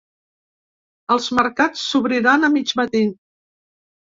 Els mercats s’obriran a mig matí.